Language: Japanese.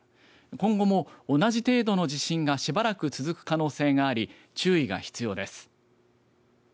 今後も同じ程度の地震がしばらく続く可能性があり注意が必要です。